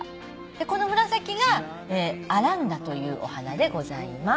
この紫がアランダというお花でございます。